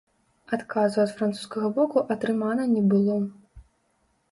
Адказу ад французскага боку атрымана не было.